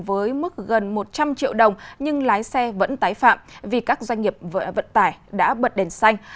với mức gần một trăm linh triệu đồng nhưng lái xe vẫn tái phạm vì các doanh nghiệp vận tải đã bật đèn xanh